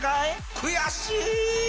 悔しい！